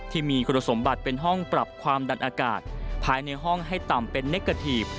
ที่มีคุณสมบัติเป็นห้องปรับความดันอากาศภายในห้องให้ต่ำเป็นเนกเกอร์ทีฟ